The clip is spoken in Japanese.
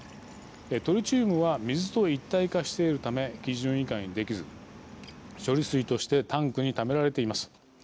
トリチウムは水と一体化しているため基準以下にできず、処理水としてタンクにためられています。